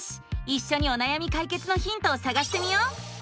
いっしょにおなやみ解決のヒントをさがしてみよう！